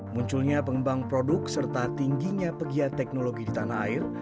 munculnya pengembang produk serta tingginya pegiat teknologi di tanah air